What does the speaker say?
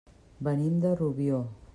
Venim de Rubió.